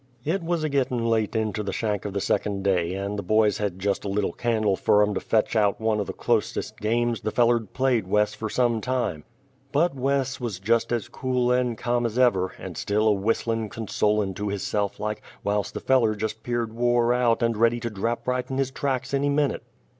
It was a gittin' late into the shank of the second day, and the boys hed jest lit a candle fer 'em to finish out one of the clost'est games the feller'd played Wes fer some time. But Wes wuz jest as cool and ca'm as ever, and still a whistlin' consolin' to hisse'f like, whilse the feller jest 'peared wore out and ready to drap right in his tracks any minute.